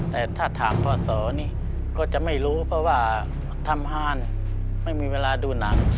แต่ถ้าถามพ่อสอนี่ก็จะไม่รู้เพราะว่าทำฮานไม่มีเวลาดูหนัง